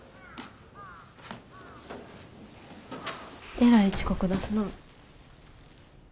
えらい遅刻だすな。